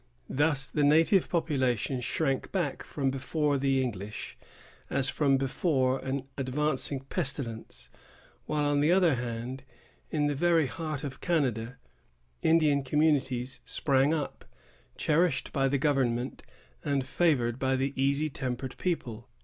Thus the native population shrank back from before the English, as from before an advancing pestilence; while, on the other hand, in the very heart of Canada, Indian communities sprang up, cherished by the government, and favored by the easy tempered people.